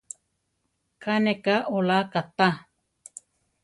Ká ne ka olá katá.